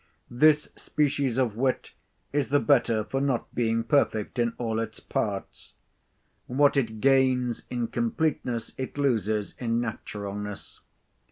This species of wit is the better for not being perfect in all its parts. What it gains in completeness, it loses in naturalness.